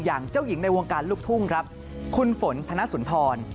อย่างเจ้าหญิงในวงการลูกทุ่งครับคุณฝนธนสุนทร